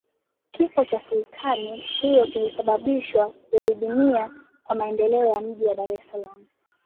Kifo cha Sultani huyo kilisababisha kudidimia kwa maendeleo ya mji wa Dar es Salaam